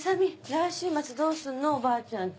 来週末どうするのおばあちゃん家。